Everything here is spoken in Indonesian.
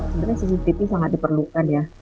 sebenarnya cctv sangat diperlukan ya